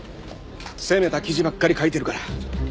攻めた記事ばっかり書いてるから。